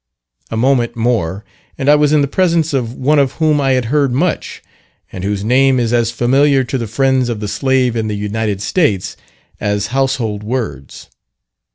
A moment more, and I was in the presence of one of whom I had heard much, and whose name is as familiar to the friends of the slave in the United States, as household words.